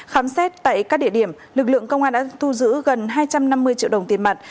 khám xét tại các địa điểm lực lượng công an đã thu giữ gần hai trăm năm mươi triệu đồng tiền mặt